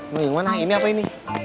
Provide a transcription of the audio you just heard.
mengingat ini apa ini